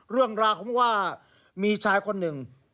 เรื่องราวของว่ามีชายคนหนึ่ง